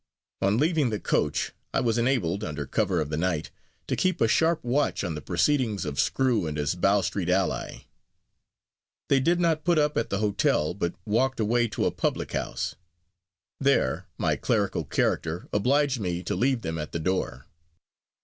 On leaving the coach I was enabled, under cover of the night, to keep a sharp watch on the proceedings of Screw and his Bow Street ally. They did not put up at the hotel, but walked away to a public house. There, my clerical character obliged me to leave them at the door.